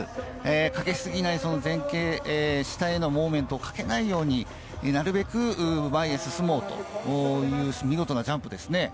かけすぎない前傾、下へのモーメントをかけないように、なるべく前へ進もうという、見事なジャンプですね。